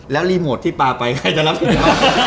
แล้วรีโมทที่ปลาไปใครจะรับผิดชอบ